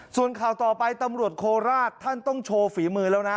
ส่วนข่าวต่อไปตำรวจโคราชท่านต้องโชว์ฝีมือแล้วนะ